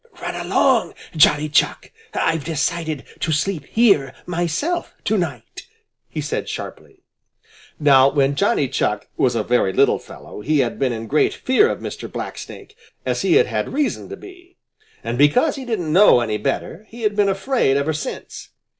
"Run along, Johnny Chuck! I've decided to sleep here myself to night!" he said sharply. Now when Johnny Chuck was a very little fellow, he had been in great fear of Mr. Blacksnake, as he had had reason to be. And because he didn't know any better, he had been afraid ever since.